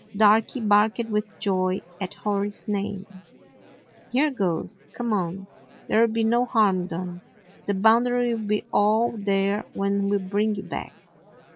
Darky barked with joy at Hori's name. "Here goes. Come on ; there 'll be no harm done. The Boundary will be all there when we bring you back."